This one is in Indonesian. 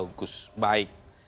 orangnya bagus baik